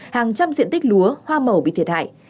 hàng trăm diện tích lúa hoa màu bị thiệt hại